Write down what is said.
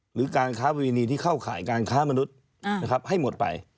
หรือการค้าประเวณีที่เข้าข่ายการค้ามนุษย์ให้หมดไป